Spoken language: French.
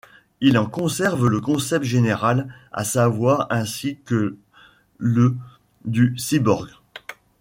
Il en conserve le concept général, à savoir ainsi que le ' du cyborg.